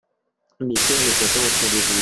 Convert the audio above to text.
Mes sœurs ne sont pas en train de jouer.